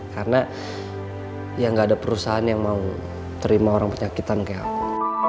karena ya gak ada perusahaan yang mau terima orang penyakitan kayak aku